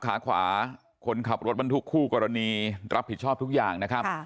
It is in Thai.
ขาขวาคนขับรถบรรทุกคู่กรณีรับผิดชอบทุกอย่างนะครับ